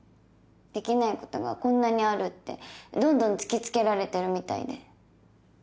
できないことがこんなにあるってどんどん突き付けられてるみたいで。